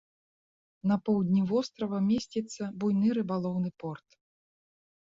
На поўдні вострава месціцца буйны рыбалоўны порт.